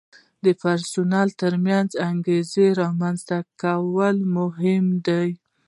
د پرسونل ترمنځ د انګیزې رامنځته کول مهم دي.